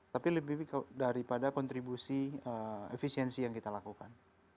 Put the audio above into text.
tapi lebih daripada kontribusi efisiensi yang kita lakukan